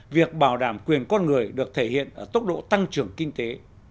việc bảo đảm quyền con người được thể hiện ở tốc độ tăng trưởng kinh tế